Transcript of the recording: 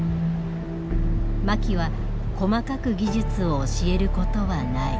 槇は細かく技術を教えることはない。